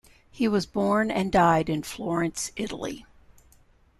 He was born and died in Florence, Italy.